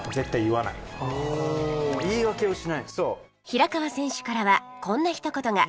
平川選手からはこんなひと言が